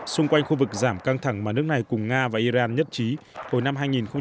xung quanh khu vực giảm căng thẳng mà nước này cùng nga và iran nhất trí hồi năm hai nghìn một mươi năm